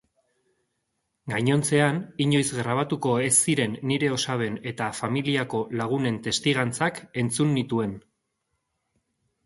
Gainontzean inoiz grabatuko ez ziren nire osaben eta familiako lagunen testigantzak entzun nituen.